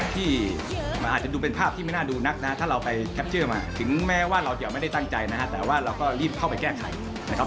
ที่อาจจะดูเป็นภาพที่ไม่น่าดูนักนะถ้าเราไปแคปเชื่อมาถึงแม้ว่าเราจะไม่ได้ตั้งใจนะฮะแต่ว่าเราก็รีบเข้าไปแก้ไขนะครับ